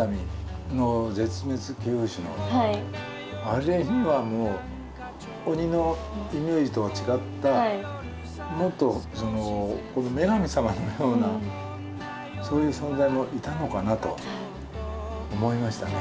あれにはもう鬼のイメージとは違ったもっと女神様のようなそういう存在もいたのかなと思いましたね。